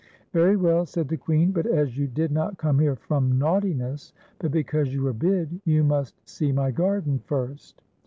"Very well," said the Queen; "but as you did not come here from naughtiness, but because you were bid, ) ou must see m\ garden first."